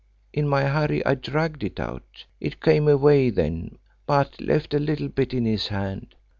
In my hurry I dragged it out it came away then, but left a little bit in his hand.